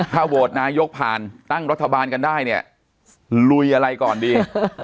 ถ้าโหวตนายกผ่านตั้งรัฐบาลกันได้เนี่ยลุยอะไรก่อนดี